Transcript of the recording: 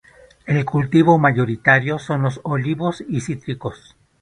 El cultivo mayoritario son los olivos y cítricos.